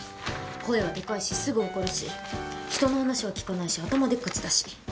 声はでかいしすぐ怒るし人の話は聞かないし頭でっかちだし。